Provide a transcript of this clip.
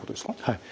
はい。